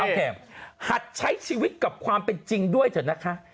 แถมหัดใช้ชีวิตกับความเป็นจริงด้วยเถอะนะคะ